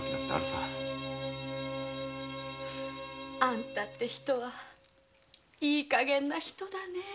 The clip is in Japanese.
あんたって人はいいかげんな人だねぇ。